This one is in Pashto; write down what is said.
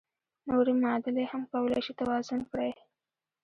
نورې معادلې هم کولای شئ توازن کړئ.